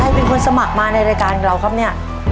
เป็นคนสมัครมาในรายการของเราครับเนี่ย